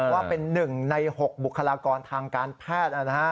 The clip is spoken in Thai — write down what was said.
ว่าเป็น๑ใน๖บุคลากรทางการแพทย์